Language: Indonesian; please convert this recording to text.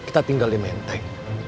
kita tinggal di mentai